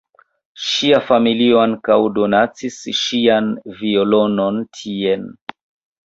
Ŝia familio ankaŭ donacis ŝian violonon tien.